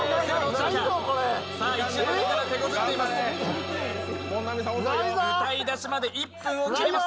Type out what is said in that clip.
１枚目から手こずっております。